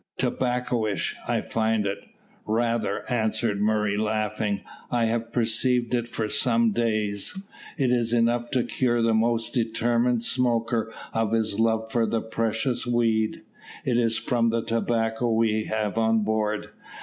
"Tobaccoish, I find it." "Rather," answered Murray, laughing. "I have perceived it for some days. It is enough to cure the most determined smoker of his love for the precious weed. It is from the tobacco we have on board.